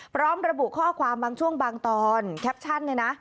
พร้อมระบุข้อความบางช่วงบางตอนแคปชั่นเนี่ยนะ